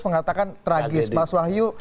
mengatakan tragis mas wahyu